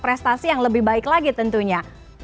prestasi yang lebih baik lagi tentunya